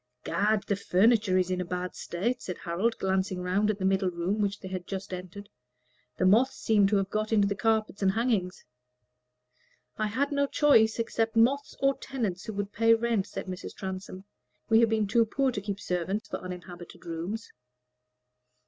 "Gad! the furniture is in a bad state," said Harold, glancing around at the middle room which they had just entered; "the moths seem to have got into the carpets and hangings." "I had no choice except moths or tenants who would pay rent," said Mrs. Transome. "We have been too poor to keep servants for uninhabited rooms."